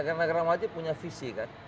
negara negara maju punya visi kan